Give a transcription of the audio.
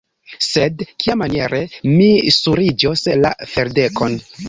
Sed kiamaniere mi suriĝos la ferdekon?